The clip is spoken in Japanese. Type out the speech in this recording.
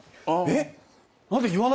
えっ？